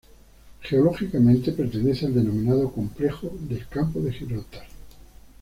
Geológicamente pertenece al denominado "complejo del Campo de Gibraltar".